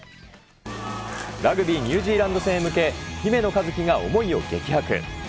ラグビー、ニュージーランド戦へ向け、姫野和樹が思いを激白。